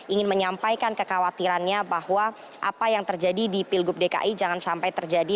ingin menyampaikan kekhawatirannya bahwa apa yang terjadi di pilgub dki jangan sampai terjadi